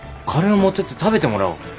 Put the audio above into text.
カレーを持ってって食べてもらおう。